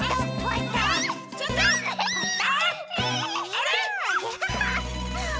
あれ？